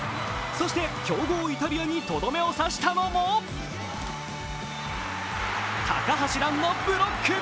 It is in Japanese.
そして強豪イタリアにとどめを刺したのも高橋藍のブロック。